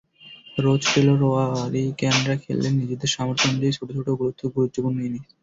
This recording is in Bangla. রোচ-টেলর-ওয়ারিক্যানরা খেললেন নিজেদের সামর্থ্য অনুযায়ী ছোট ছোট অথচ গুরুত্বপূর্ণ তিনটি ইনিংস।